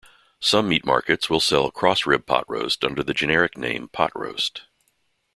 Some meat markets will sell cross-rib pot roast under the generic name pot roast.